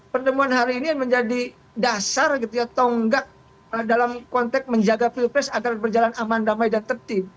pertemuan hari ini menjadi dasar gitu ya tonggak dalam konteks menjaga pilpres agar berjalan aman damai dan tertib